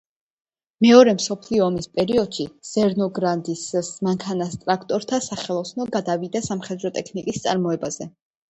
მეორე მსოფლიო ომის პერიოდში ზერნოგრადის მანქანა-ტრაქტორთა სახელოსნო გადავიდა სამხედრო ტექნიკის წარმოებაზე.